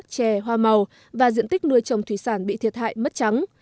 chè hoa màu và diện tích nuôi trồng thủy sản bị thiệt hại mất trắng